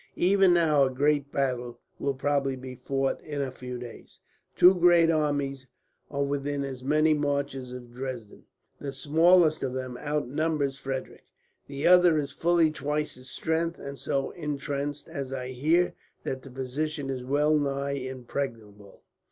"Even now a great battle will probably be fought, in a few days. Two great armies are within as many marches of Dresden. The smallest of them outnumbers Frederick. The other is fully twice his strength, and so intrenched, as I hear, that the position is well nigh impregnable."